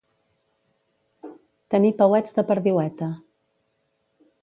Tenir peuets de perdiueta.